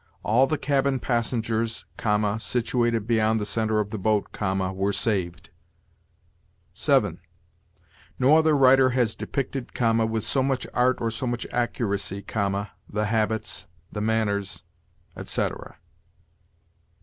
'All the cabin passengers(,) situated beyond the center of the boat(,) were saved.' 7. 'No other writer has depicted(,) with so much art or so much accuracy(,) the habits, the manners,' etc. 8.